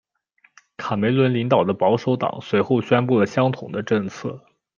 卡梅伦领导的保守党随后宣布了相同的政策。